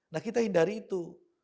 nah kita hindari itu